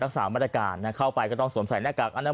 รักษามาตรการนะเข้าไปก็ต้องสวมใส่หน้ากากอนาม